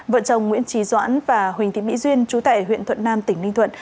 vợ chồng nguyễn trí doãn và huỳnh thị mỹ duyên chú tại huyện thuận nam tỉnh ninh thuận